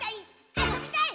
あそびたい！」